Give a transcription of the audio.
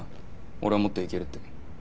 俺はもっといけるって。